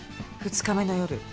２日目の夜。